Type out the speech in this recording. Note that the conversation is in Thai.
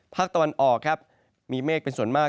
ภาคตะวันออกครับมีเมฆเป็นส่วนมาก